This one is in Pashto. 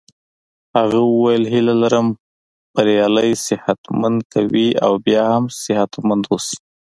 هغه وویل هیله لرم بریالی صحت مند قوي او بیا هم صحت مند اوسې.